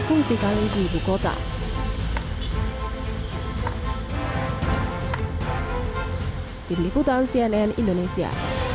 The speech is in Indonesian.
fungsi kandung di ibu kota di liputan cnn indonesia